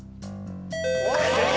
正解！